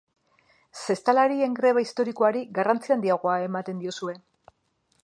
Zestalarien greba historikoari garrantzi handia ematen diozue.